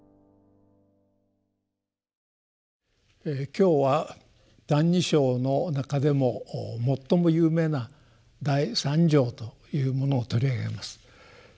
今日は「歎異抄」の中でも最も有名な第三条というものを取り上げます。